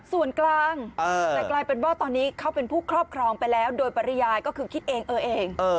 ส่วนกลางแต่กลายเป็นว่าตอนนี้เขาเป็นผู้ครอบครองไปแล้วโดยปริยายก็คือคิดเองเออเอง